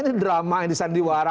ini drama yang disandiwara